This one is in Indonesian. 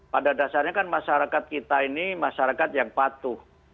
pada dasarnya kan masyarakat kita ini masyarakat yang patuh